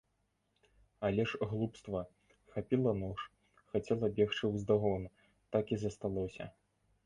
Але ж глупства, хапіла нож, хацела бегчы ўздагон, так і засталося.